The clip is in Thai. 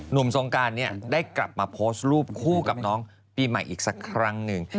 หนุ่มทรงการเนี่ยได้กลับมาโพสต์รูปคู่กับน้องปีใหม่อีกสักครั้งหนึ่ง